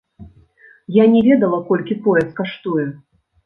Я не ведала, колькі пояс каштуе.